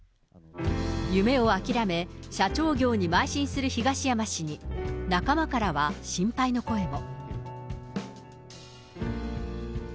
夢を諦め、社長業にまい進する東山氏に、仲間からは心配の声も。